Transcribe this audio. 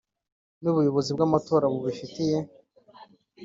N ubuyobozi bw amatora bubifitiye